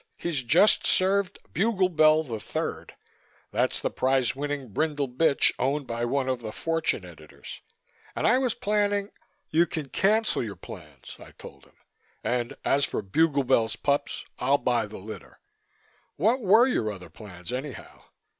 "He's just served Buglebell III that's the prize winning brindle bitch owned by one of the Fortune editors and I was planning " "You can cancel your plans," I informed him. "And as for Buglebell's pups, I'll buy the litter. What were your other plans, anyhow?"